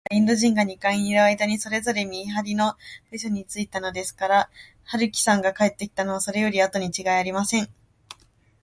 みんなは、まだインド人が二階にいるあいだに、それぞれ見はりの部署についたのですから、春木さんが帰ってきたのは、それよりあとにちがいありません。